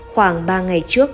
khoảng ba ngày trước